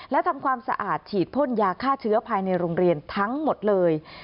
และทำความสะอาดฉีดพ่นยาฆ่าเชื้อภายในโรงเรียนทั้งหมดเลย